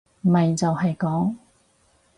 咪就係講